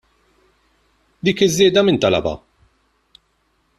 Dik iż-żieda min talabha?